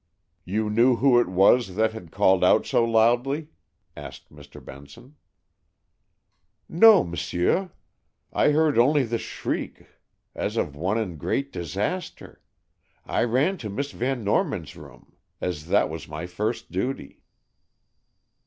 "You knew who it was that had called out so loudly?" asked Mr. Benson. "No, m'sieu; I heard only the shriek as of one in great disaster. I ran to Miss Van Norman's room, as that was my first duty."